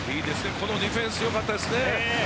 このディフェンスよかったですね。